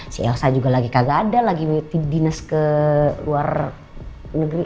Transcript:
si elsa juga lagi kagak ada lagi di dinas ke luar negeri